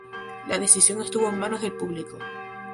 La decisión estuvo en manos del público.